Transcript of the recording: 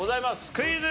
クイズ。